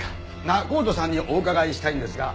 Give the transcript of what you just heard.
仲人さんにお伺いしたいんですが。